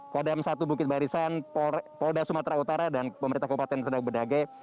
kodam satu bukit barisan polda sumatera utara dan pemerintah kabupaten sedak bedage